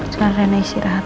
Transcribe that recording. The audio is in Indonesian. percayain rene isirahat